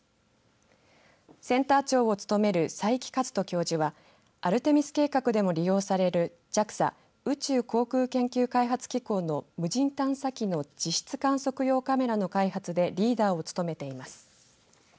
センター長を務める佐伯和人教授はアルテミス計画でも利用されるＪＡＸＡ宇宙航空研究開発機構の無人探査機の地質観測用カメラの開発でもリーダーを務めています。